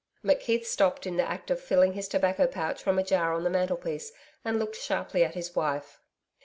McKeith stopped in the act of filling his tobacco pouch from a jar on the mantelpiece and looked sharply at his wife.